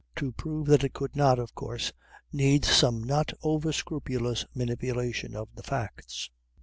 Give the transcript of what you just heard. To prove that it could not, of course needs some not over scrupulous manipulation of the facts.